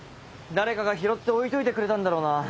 誰かが拾って置いといてくれたんだろうな。